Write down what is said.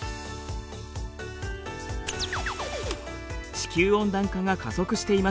地球温暖化が加速しています。